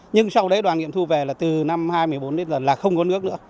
nhưng sau đấy đoàn nghiệm thu về là từ năm hai nghìn một mươi bốn đến giờ là không có nước nữa